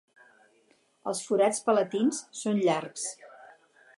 Els forats palatins són llargs.